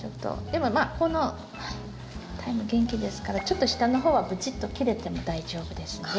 でもまあこのタイム元気ですからちょっと下の方はブチッと切れても大丈夫ですので。